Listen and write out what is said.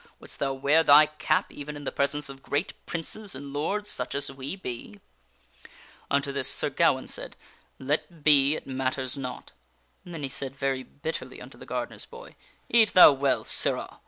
Wouldst thou wear thy cap even in the presence of great princes and lords such as we be ?" Unto this Sir Gawaine said, " Let be, it matters not." And then he said very bitterly unto the gardener's boy :" Eat thou well, sirrah